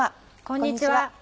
こんにちは。